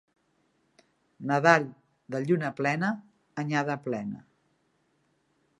Nadal en lluna plena, anyada plena.